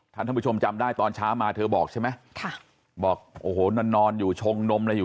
ท่านท่านผู้ชมจำได้ตอนเช้ามาเธอบอกใช่ไหมบอกโอ้โหนอนอยู่ชงนม